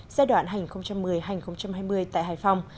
giai đoạn hai nghìn một mươi hai nghìn hai mươi tại hải phòng